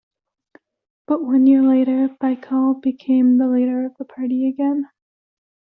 But one year later, Baykal became the leader of the party again.